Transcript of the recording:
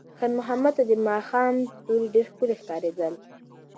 خیر محمد ته د ماښام ستوري ډېر ښکلي ښکارېدل.